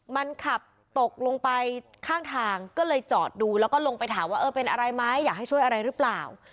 มันขับตกลงไปข้างทางก็เลยจอดดูแล้วก็ลงไปถามว่าเออเป็นอะไรไหมอยากให้ช่วยอะไรหรือเปล่า